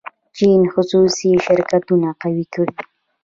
چین خصوصي شرکتونه قوي کړي.